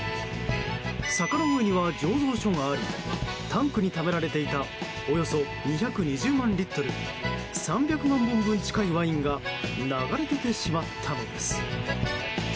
坂の上には醸造所がありタンクにためられていたおよそ２２０万リットル３００万本分近いワインが流れ出てしまったのです。